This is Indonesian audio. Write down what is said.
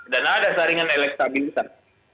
dan ada saringan elektabilitas